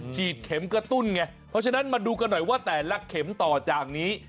ฉีดเข็มกระตุ้นไงเพราะฉะนั้นมาดูกันหน่อยว่าแต่ละเข็มต่อจากนี้